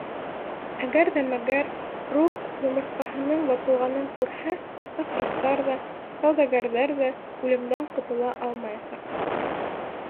Әгәр ҙә мәгәр Рухх йомортҡаһының ватылғанын күрһә, матростар ҙа, сауҙагәрҙәр ҙә үлемдән ҡотола алмаясаҡ!